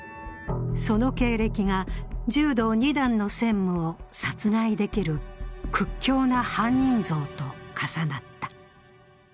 その経歴が柔道２段の専務を殺害できる屈強な犯人像と重なった。